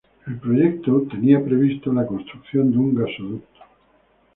El proyecto estaba previsto la construcción de un gasoducto.